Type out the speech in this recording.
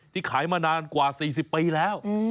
ขายมานานกว่า๔๐ปีแล้ว